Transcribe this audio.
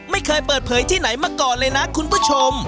ไม่เคยเปิดเผยที่ไหนมาก่อนเลยนะคุณผู้ชม